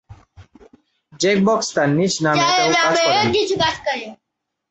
Jacobs তার নিজ নামে তেও কাজ করেন।